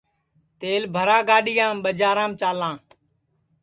تیل بھرا گاڈؔیام ٻجارام چالاں